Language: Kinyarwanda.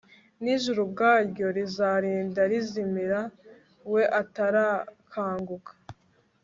n'ijuru ubwaryo rizarinda rizimira, we atarakanguka